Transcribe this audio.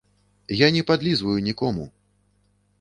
Я не падлізваю нікому!